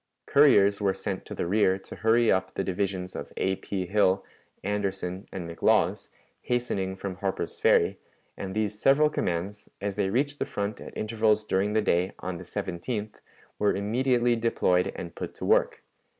Couriers were sent to the rear to hurry up the divisions of A. P. Hill, Anderson, and McLaws, hastening from Harper's Ferry, and these several commands, as they reached the front at intervals during the day, on the 17th, were immediately deployed and put to work.